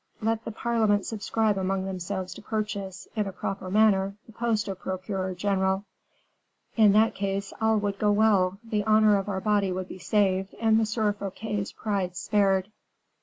Let the parliament subscribe among themselves to purchase, in a proper manner, the post of procureur general; in that case, all would go well; the honor of our body would be saved, and M. Fouquet's pride spared.